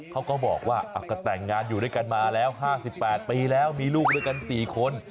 เขาก็บอกว่าก็แต่งงานอยู่ด้วยกันมาแล้ว๕๘ปีแล้วมีลูกด้วยกัน๔คน